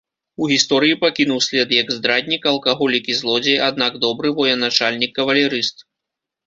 У гісторыі пакінуў след як здраднік, алкаголік і злодзей, аднак добры военачальнік-кавалерыст.